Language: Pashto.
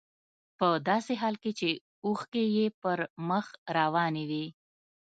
په داسې حال کې چې اوښکې يې پر مخ روانې وې.